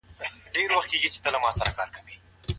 ښځه د کومو معيارونو په اساس په نکاح کيږي؟